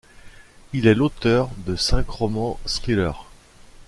Il est l'auteur de cinq romans thriller.